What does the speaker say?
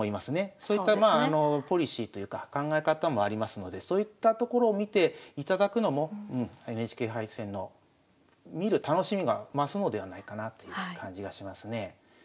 そういったまあポリシーというか考え方もありますのでそういったところを見ていただくのもＮＨＫ杯戦の見る楽しみが増すのではないかなという感じがしますね。